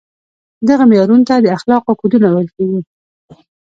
دغو معیارونو ته د اخلاقو کودونه ویل کیږي.